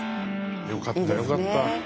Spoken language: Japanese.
よかったよかった。